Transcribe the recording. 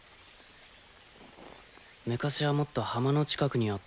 昔はもっと浜の近くにあったんらて。